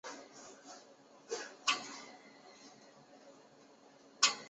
成因也大致与此相同。